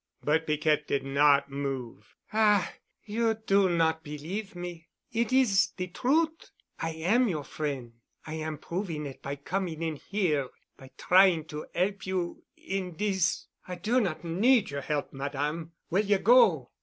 But Piquette did not move. "Ah! You do not believe me. It is de trut'. I am your frien'. I am proving it by coming in here—by trying to 'elp you in dis——" "I do not need your help, Madame. Will you go?"